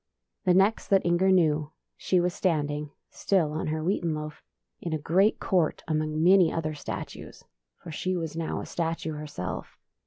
The next that Inger knew, she was stand ing — still on her wheaten loaf — in a great court among many other statues; for she was now a statue herself.